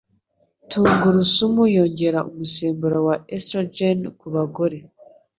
Tungurusumu yongera umusemburo wa estrogen ku bagore